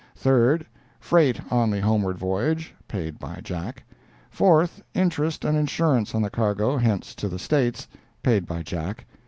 Third—Freight on the homeward voyage—paid by Jack. Fourth—Interest and insurance on the cargo hence to the States—paid by Jack.